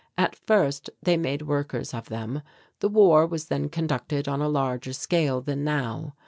At first they made workers of them. The war was then conducted on a larger scale than now.